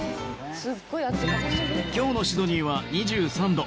今日のシドニーは２３度。